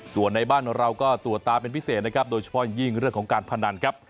ส่วนในบ้านเราก็ตรวจตาเป็นพิเศษนะครับโดยเฉพาะยิ่งเรื่องของการพนันครับ